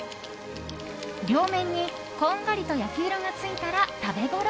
両面に、こんがりと焼き色がついたら食べごろ。